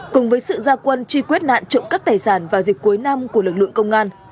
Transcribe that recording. cùng với sự gia quân truy quét nạn trộm cắp tài sản vào dịp cuối năm của lực lượng công an